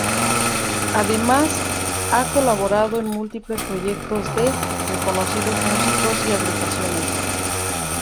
Además ha colaborado en múltiples proyectos de reconocidos músicos y agrupaciones.